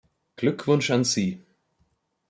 Glückwunsch an Sie!